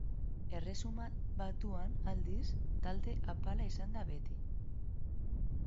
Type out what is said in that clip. Erresuma Batuan aldiz talde apala izan da beti.